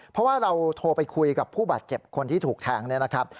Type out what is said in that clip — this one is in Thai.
เพราะว่าเราโทรไปคุยกับผู้บาดเจ็บคนที่ถูกแทงเนี่ยนะครับ